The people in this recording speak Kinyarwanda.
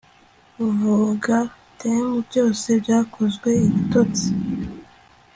vuga dem byose byakozwe ibitotsi